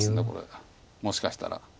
これもしかしたら。